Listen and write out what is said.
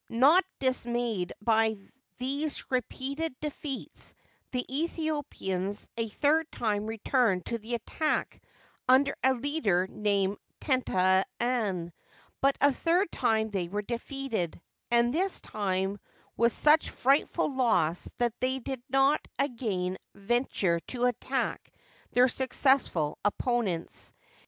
Not dismayed by these repeated defeats, the Aethiopians a third time returned to the attack under a leader named Tenta dn, but a third time they were defeated, and this time with such frightful loss that they did not again vent ure to attack their successful opponents.